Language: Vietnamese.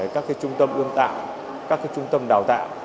các trung tâm ươm tạo các trung tâm đào tạo